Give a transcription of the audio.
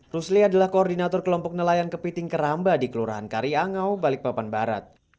rusli adalah koordinator kelompok nelayan kepiting keramba di kelurahan karyangau balikpapan barat